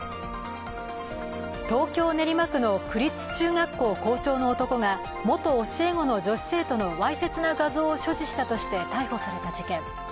東京・練馬区の区立中学校校長の男が元教え子の女子生徒のわいせつな画像を所持したとして逮捕された事件。